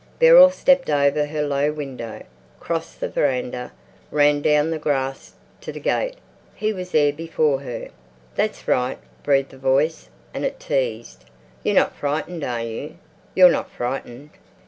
Beryl stepped over her low window, crossed the veranda, ran down the grass to the gate. He was there before her. "That's right," breathed the voice, and it teased, "You're not frightened, are you? You're not frightened?"